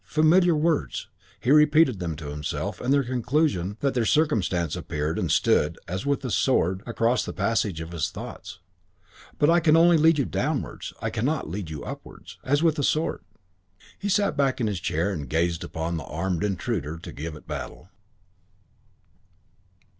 Familiar words! He repeated them to himself, and their conclusion and their circumstance appeared and stood, as with a sword, across the passage of his thoughts. "But I can only lead you downwards. I cannot lead you upwards ..." As with a sword He sat back in his chair and gazed upon this armed intruder to give it battle.